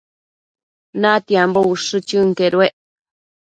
Natiambo ushë chënquedued